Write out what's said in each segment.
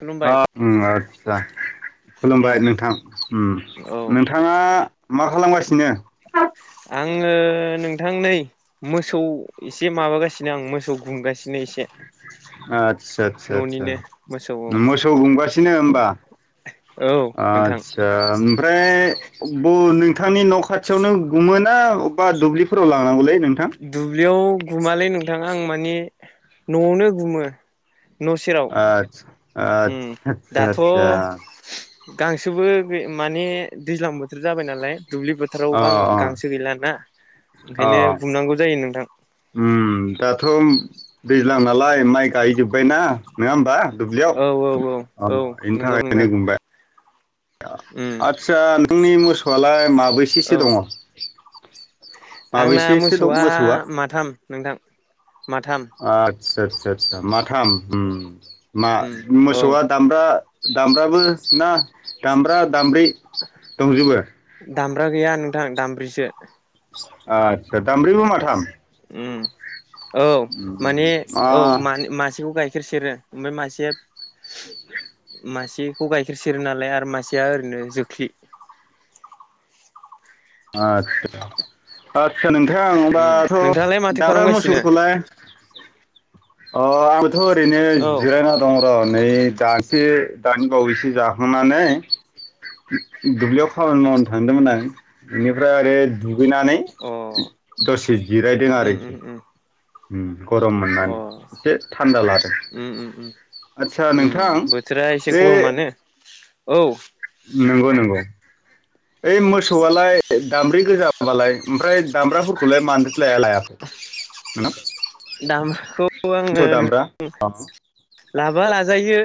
खुलुमबाय अ ओम आस्सा। उम खुलुमबाय नोंथां। उम औ नोंथाङा मा खालामगासिनो? आङो नोंथां नै मोसौ एसे माबागासिनो आं मोसौ गुमगासिनो। नै इसे। आदसा सा-सा-सा मोसौ औ मोसौ गुमगासिनो होमबा? औ नोंथां आतसा ओम फ्राय ब नोंथांनि न' खाथियावनो गुमोना बबेबा दुब्लिफोराव लांनांगौलै? नोंथां दुब्लियाव गुमालै नोंथां आं माने न'आवनो गुमो। न' सेराव उम आस्सा-आस्सा दाथ' सा-सा। गांसोबो बे माने दैज्लां बोथोर जाबाय नालाय। दुब्लि फोथाराव अ अ गां-गांसो गैलाना अ ओंखायनो गुमनांगौ जायो नोंथां। उम दाथ' दैज्लां नालाय माइ गायजोबबाय ना नङा होमबा? दुब्लियाव औ औ औ अ औ एनि नंगौ थाखायनो नोंथां गुमबाय। उम आदसा नोंनि मोसौआलाय औ माबैसेसो दङ? आंना माबैसेसो दं मोसौआ माथाम नोंथां माथाम। सा-सा-सा माथाम ओम मा उम औ मोसौआ दामब्रा दामब्राबो ना दामब्रा दामब्रि दंजोबो? दामब्रा गैया नोंथां दामब्रिसो। आस्सा दामब्रिबो माथाम? उम औ माने आ औ मा-मासेखौ गाय खेर सेरो ओमफ्राय मासे [inaudible] मासेखौ गाइखेर सेरो नालाय आरो मासेया ओरैनो जोख्लि। आस्सा। आस्सा नोंथां उम होनबाथ' नोंथाङालाय माथो दामग्रा खालामगासिनो मोसौखौलाय [inaudible] अ आंबोथ' ओरैनो औ जिरायना दं र' नै दासो दानि बावैसो जाखांनानै। दुब्लिआव खामानि मावनो थांदोंमोन आं। बेनिफ्राय आरो दुगैनानै अ दसे जिरायदों उम उम आरोखि उम उम गरम अ मोननानै एसे थान्दा लादों उम उम उम आदसा उम नोंथां बोथोरा एसे बे गरमानो औ नंगौ नंगौ ओइ मोसौआलाय दामब्रै गोजा हाबालाय ओमफ्राय दामब्राफोरखौलाय मानोथो लाया लायाखै नोथां दामखौ आङो ओरैनो अ लाबा लाजायो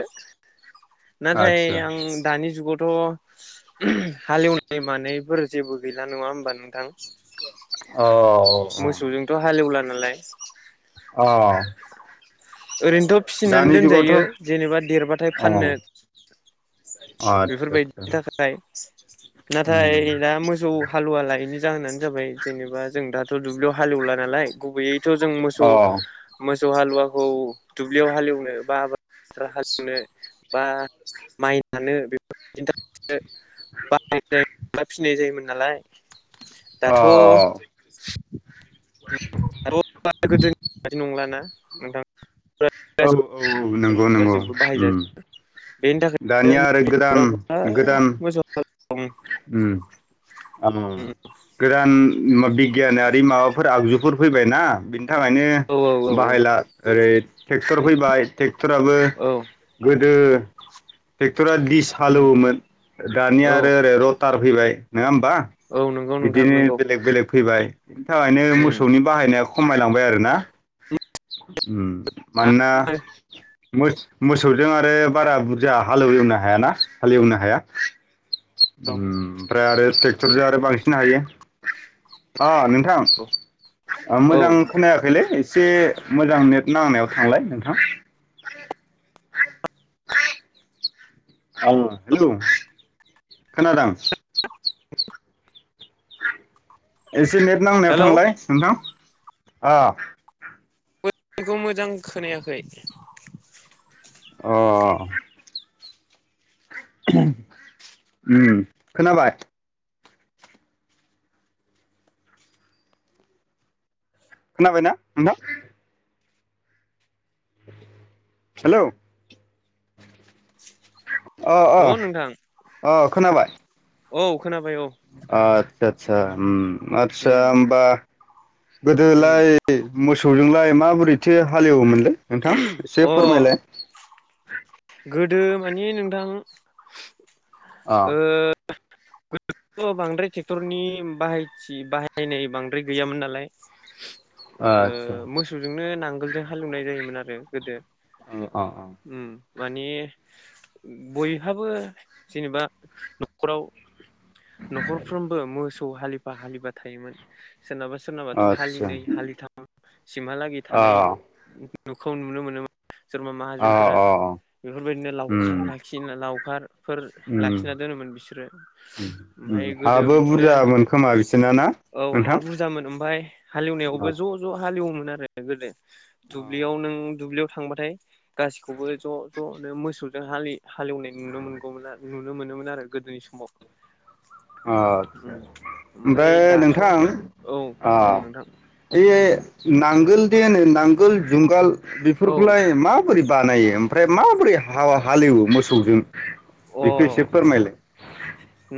नाथाय आदसा आं दानि जुगावथ' उम हालेवनाय मानायफोर जेबो गैला नङा होमबा नोंथां। अ अ मोसौजोंथ' हालेवला नालाय अ' ओरैनोथ' फिसिनानै दानि जुगावथ' दोनजायो जेनेबा देरबाथाय अ फाननो आदसा बेफोरबायदिनि आदसा थाखाय नाथाय उम दा मोसौ हालुवलाय बेनि जाहोनानो जाबाय जेनेबा जों दाथ' दुब्लियाव हालेवला नालाय गुबैयै थ जों मोसौ अ मोसौ हालुवाखौ दुब्लियाव हालेवनो बा [unintelligible] हालेवनो बा माइ नानो बेफोरबायदिनि थाखायो बाहाय फिनाय जायोमोन नालाय। दाथ' [unintelligible] बादि नंलाना नोंथां औ गासिबो औ नंगौ नंगौ माबाजोबो बाहायजाजोबो बेनि दानिया आरो गोदान थाखायनो गोदान मोसौ हालुवाखौ उम ओ गोदान [unintelligible] गियानारि माबाफोर आगजुफोर फैबायना बिनि थाखायनो औ औ औ बाहायला ओरै ट्रेक्टर फैबाय ट्रेक्टराबो औ गोदो टे ट्रेक्टरा दिस उम हालेवोमोन औ दानिया आरो ओरै रटार फैबाय नङा होमबा। औ नंगौ बा नोंथां बिदिनो नंगौ बेलेग बेलेग फैबाय बिनि थाखायनो उम मोसौनि बाहायनाया खमायलांबाय आरोना उम आ मानोना मोसौजों आरो बारा बुरजा हालेव एवनो हायाना हालेवनो हाया औ उम ओमफ्राय आरो ट्रेक्टरजों आरो बांसिन हायो अ' नों नोंथां औ मोजां खोनायाखैलै एसे मोजां नेट नांनायाव थांलाय नोंथां। औ हेल' खोनादों एसे नेट नांनायाव हेलौ थांलाय नोंथां अ' [unintelligible] मोजां खोनायाखै अ'। [unintelligible] उम खोनाबाय खोनाबायना नोंथां। हेलौ अ अ'अ' नोंथां अ' खोनाबाय औ खोनाबाय औ आसा उम आसा उम उमबा होमबा उम गोदोलाय मोसौजोंलाय माबोरैथो हालेवोमोनलै नोंथां एसे अ फोरमायलाय। गोदो मानि नोंथां अ ओ गोदोथ' बांद्राय ट्रेक्टरनि बाहायथि बाहायनाय बांद्राय गैयामोन नालाय ओ आदसा मोसौजोंनो नांगोलजों हालेवनाय जायोमोन आरो गोदो ओ अ अ उम माने बयहाबो जेनेबा न'खराव न'खरफ्रोमबो मोसौ हालिफा हालिफा थायोमोन सोरनाबा सोरनाबाथ' आदसा हालिनै हालिथाम सिमहालागै अ थानाय न'खौ नुनो मोनोमोन सोरबा अ माहाजोनफोरा अ बेफोरबायदिनो उम लावखार लाखि लावखार फोर उम लाखिना दोनोमोन बिसोरो उम ओमफाय उम गोदो हाबो बिदिनो बुरजामोन खोमा बिसोरना ना औ हा नोंथां? बुरजामोन ओमफ्राय हालेवनायावबो ज ज हालेवोमोन गोदो दुब्लियाव नों दुब्लियाव थांबाथाय गासिखौबो ज जनो मोसौजों हालि हालेवनाय नुनो मोनगौमोन नुनो मोनोमोन आरो गोदोनि समाव आचसा ओमफ्राय नोंथां औ अआ बुं नोंथां इ नांगोलदि होनो नांगोल जुंगाल औ बेफोरखौलाय मा बोरै बानायो ओमफ्राय माबोरै हाबा हालेवो मोसौजों अ बेखौ एसे फोरमायलाय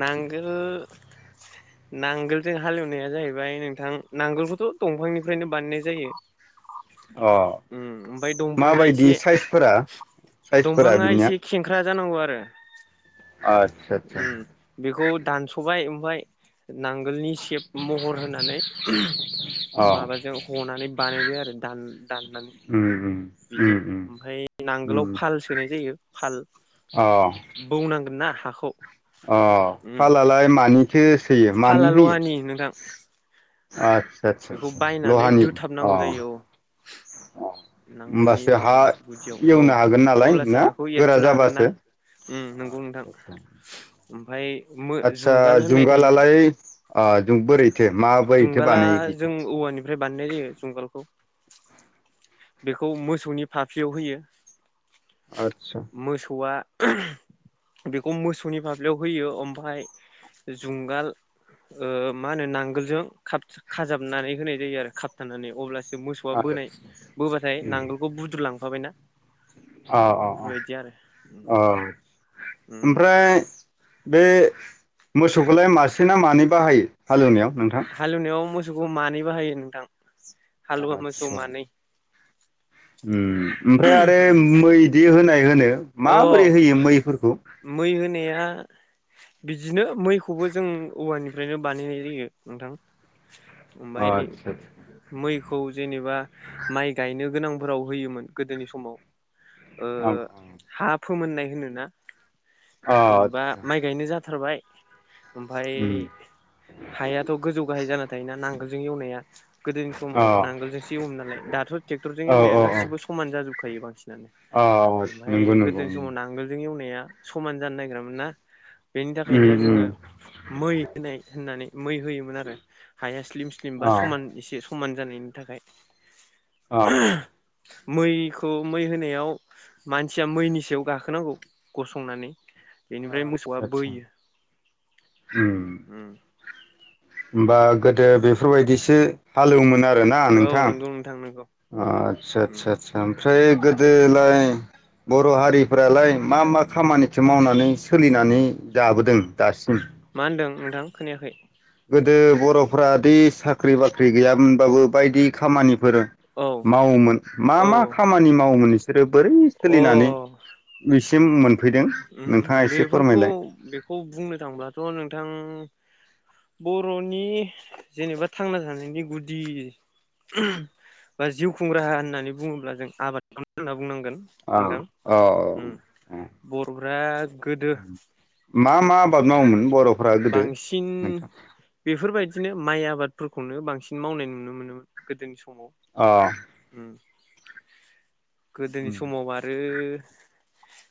नांगोल नांगोलजों हालेवनाया जाहैबाय नोंथां नांगोलखौथ दंफांनिफ्रायनो बानायनाय जायो अ उम ओमफ्राय दंफाङा माबायदि एसे साइसफोरा साइसफोरा दंफाङा बिनिया एसे खेंख्रा जानांगौ आरो आदसा आदसा उम बेखौ दानसबाय ओमफ्राय नांगोलनि सेब महर होनानै अ माबाजों हनानै बानायबाय आरो दान दाननानै उम उम बिदि उम उम ओमफ्राय नांगोलाव उम फाल सोनाय जायो फाल अ बौनांगोन ना हाखौ अ उम फालालाय मानिथो सोयो फाला मानि होयो लहानि नोंथां आचसा आचसा बेखौ आ बायनानै लहानि अ दोथाबनांगौ जायो औ नांगोलनि होमबासो हा माबायाव गुदियाव औ एवनो हागोन नालाय ना गोरा जाबासो ओम नंगौ नोंथां ओमफ्राय आतसा जुंगालालाय आ जों बोरै थो माबो एथो जुंगाला बानायो जों बेखौ औवानिफ्राय बानायनाय जायो जुंगालखौ बेखौ मोसौनि फाफ्लियाव होयो आदसा मोसौआ बेखौ मोसौनि फाफ्लियाव होयो ओमफ्राय जुंगाल ओ मा होनो नांगोलजों खाब खाजाबनानै होनाय जायो आरो खाबथानानै अब्लासो मोसौआ अ बोनाय अ बोबाथाय नांगोलखौ बुद्रु लांफाबायना औ औ औ औ उम ओमफ्राय बे मोसौखौलाय मासे ना मानै बाहायो हालेवनायाव नोंथां हालेवनायाव मोसौखौ मानै बाहायो नोंथां हालुवा मोसौ मानै ओम ओमफ्राय आरो उम मैदि होनाय होनो अ माबोरै होयो मैफोरखौ मै होनाया बिदिनो मैखौबो जों औवानिफ्रायनो बानायनाय जायो नोंथां ओमफ्राय आदसा मै खौ जेनेबा माइ गायनो गोनांफोराव होयोमोन गोदोनि समाव ओ आदसा हा फोमोननाय होनोना अ जेनेबा आदसा माइ गायनो जाथारबाय ओमफ्राय उम हायाथ गोजौ गाहाय जाना थायोना नांगोलजों एवनाया गोदोनि समाव अ नांगोलजोंसो एवोमोन नालाय दाथ ट्रेक्टरजों औ एवनाया औ गासिबो समान जाजोबखायो बांसिन औ औ ओमफ्राय नंगौ नंगौ गोदोनि समाव नांगोलजों एवनाया समान जानो नागिरामोन ना बेनि उम थाखायनो जोङो उम मै होनाय होननानै मै होयोमोन आरो हाया स्लिम स्लिम बा अ समान एसे समान जानायनि थाखाय आ मैखौ मै होनायाव मानसिया मैनि सायाव गाखोनांगौ गसंनानै बेनिफ्राय मोसौआ आदसा आदसा बोयो उम होमबा गोदो बेफोरबायदिसो हालेवोमोना आरोना औ नोंथां नंगौ नोंथां नंगौ आच्छा सा सा उम सा सा ओमफ्राय गोदोलाय बर हारिफ्रालाय मा मा खामानिखौ मावनानै सोलिनानै जाबोदों दासिम? मा होनदों नोंथां खोनायाखै? गोदो बरफ्रा दि साख्रि बाख्रि गैयामोनबाबो बायदि खामानि फोर औ मावोमोन मा औ मा खामानि मावोमोन बिसोरो बोरै औ सोलिनानै अ बिसिम मोनफैदों उम उम नोंथाङा एसे बेफोरखौ फोरमायलाय बेखौ बुंनो थांब्ला ट' नोंथां बर'नि जेनेबा थांना थानायनि गुदि [unintelligible] बा जिउ खुंराहा होननानै बुङोब्ला जों आबादखौनो होनना बुंनांगोन ओं नोंथां औ उम औ बर'फोरा गोदो मा मा आबाद मावोमोन बर' बांसिन बेफोरबायदिनो माइ आबादफोर नो बांसिन मावनाय नुनो मोनोमोन गोदोनि सम अ गोदोनि समाव आरो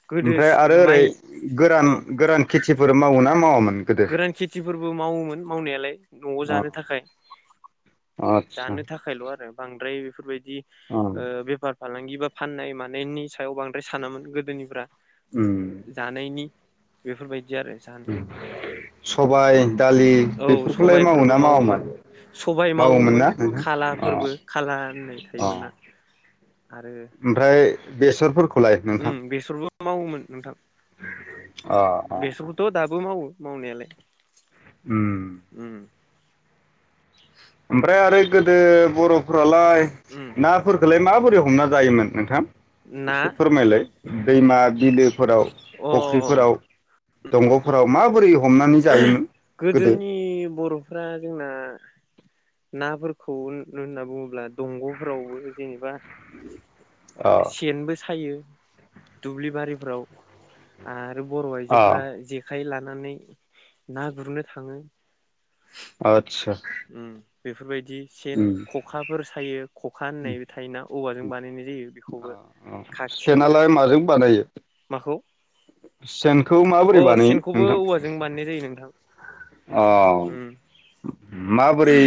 गोदो ओमफ्राय आरो ओरै माइ औ गोरान गोरान खेथिफोर मावोना मावामोन? गोदो गोरान खेतिफोरबो मावोमोन मावनायालाय न'आव जानो थाखाय आतसा जानो थाखायल' आरो बांद्राय फोरबायदि ओ बेफार फालांगि बा फाननाय मानायनि सायाव बांद्राय सानोमोन गोदोनिफोरा जानायनि बेफोरबायदि आरो जाहोन सबाय दालि बेफोरखौलाय सबायफोरबो मावोना मावोमोन मावामोन? सबाय मावोमोन ना नोंथां अ खालाफोरबो खाला होननाय अ थायोमोनना ओमफ्राय बेसरफोरखौ उम बेसरबो मावोमोन नोंथां अ बेसरखौथ' दाबो मावो मावनायालाय उम उम ओमफ्राय आरो गोदो बर'फोरालाय उम नाफोरखोलाय मा बोरै हमना जायोमोन नोंथां ना एसे फोरमायलाय दैमा बि बिलोफोराव अ फख्रिफोराव दंग'फोराव माबोरै हमनानै जायोमोन? गोदो गोदोनि बर'फोरा जोंना नाफोरखौ होन होनना बुङोब्ला दंग'फोरावबो जेनेबा अ सेनबो सायो दुब्लि बारिफ्राव आरो बर' अ फ्रा जेखाइ लानानै ना गुरनो थाङो आच्छा उम बेफोरबायदि दि सेन ख'खाफोर सायो ख'खा होननायबो थायोना औवाजों बानायनाय जायो अ बिखौबो अ सेनालाय माजों बानाय माखौ? सेनखौ माबोरै अ बानायो सेनखौबो नोंथां? औवाजों बानायनाय जायो नोंथां अ उम माबोरै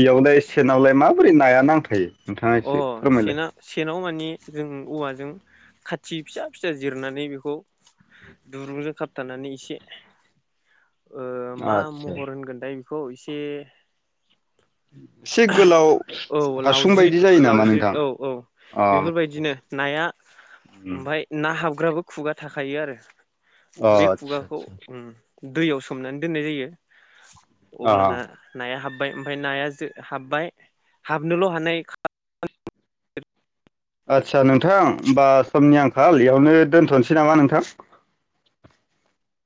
बेयावलाय सेनावलाय माबोरै नाया नांथायो? नोंथाङा इसे फोरमायलाय? नि जों औवाजों खाथि फिसा फिसा जिरनानै बिखौ दुरुंजों खाबथानानै इसे ओ मा आदसा महर होनगोनथाय बिखौ इसे से गोलाव हासुं बायदि जायो नामा लावजिद नोंथां औ औ अ आदसा बेफोरबायदिनो नाया उम ओमफाय ना हाब ग्राबो खुगा थाखायो आरो अ बे आदसा खुगाखौ उम दैयाव सोमनानै दोननाय जायो अब्लाना नाया हाब बाय ओमफाय नाया जो हाबबाय हाबनोल' हानाय आदसा नोंथां होमबा समनि आंखाल इयावनो दोनथ'निसै नामा नोंथां [inaudible]